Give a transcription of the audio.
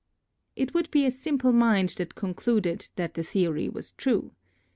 It would be a simple mind that concluded that the theory was true.